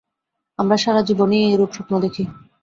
আমরা সারা জীবনটাই এইরূপ স্বপ্ন দেখি।